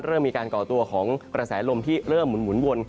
เริ่มมีการก่อตัวของกระแสลมที่เริ่มหมุนวน